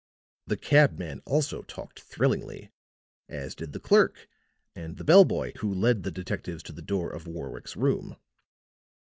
The cabman also talked thrillingly, as did the clerk and the bell boy who led the detectives to the door of Warwick's room.